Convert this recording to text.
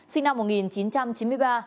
sinh năm một nghìn chín trăm chín mươi ba